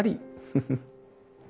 フフフッ。